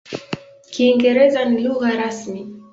Kiingereza ni lugha rasmi.